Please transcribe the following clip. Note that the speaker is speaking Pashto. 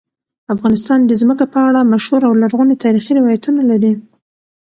افغانستان د ځمکه په اړه مشهور او لرغوني تاریخی روایتونه لري.